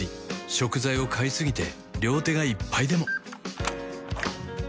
食材を買いすぎて両手がいっぱいでも